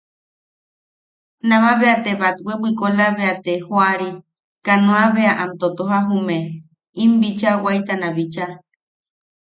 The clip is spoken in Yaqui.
Nama bea te batwe bwikola bea te joari, kanoa bea am totoja jume, im bicha waitana bicha.